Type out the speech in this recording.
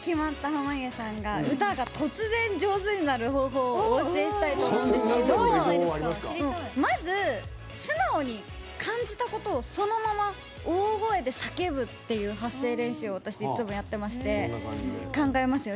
濱家さんが上手になる方法をお伝えしたいと思うんですけどまず、素直に感じたことをそのまま大声で叫ぶっていう発声練習を私はいつもやってまして考えますよ